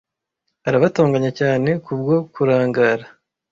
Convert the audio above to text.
arabatonganya cyane kubwo kurangara